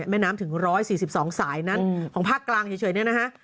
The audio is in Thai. แม่น้ำถึง๑๔๒สายนั้นของภาคกลางเฉยเนี่ยนะฮะ